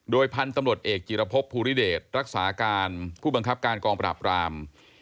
พันธุ์ตำรวจเอกจิรพบภูริเดชรักษาการผู้บังคับการกองปราบราม